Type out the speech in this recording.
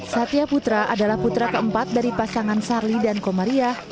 satya putra adalah putra keempat dari pasangan sarli dan komariah